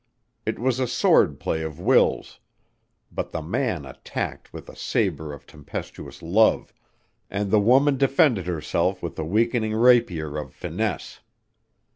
It was a sword play of wills, but the man attacked with a saber of tempestuous love, and the woman defended herself with a weakening rapier of finesse.